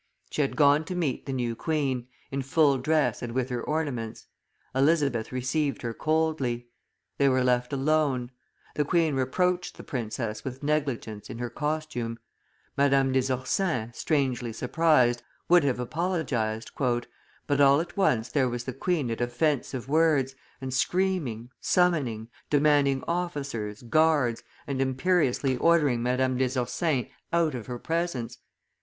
She had gone to meet the new queen, in full dress and with her ornaments; Elizabeth received her coldly; they were left alone; the queen reproached the princess with negligence in her costume Madame des Ursins, strangely surprised, would have apologized, "but, all at once there was the queen at offensive words, and screaming, summoning, demanding officers, guards, and imperiously ordering Madame des Ursins out of her presence.